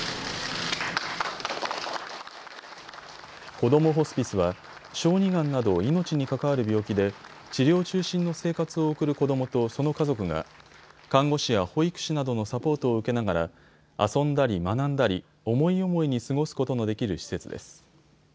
こどもホスピスは小児がんなど命に関わる病気で、治療中心の生活を送る子どもとその家族が看護師や保育士などのサポートを受けながら遊んだり学んだり、思い思いに過ごすことのできる施設です。